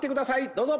どうぞ！